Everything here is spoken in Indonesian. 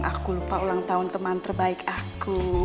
aku lupa ulang tahun teman terbaik aku